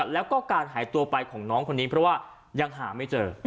แล้วก็การหายตัวไปของน้องคนนี้เพราะว่ายังหาไม่เจอ